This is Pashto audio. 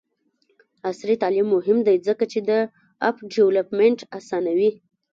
عصري تعلیم مهم دی ځکه چې د اپ ډیولپمنټ اسانوي.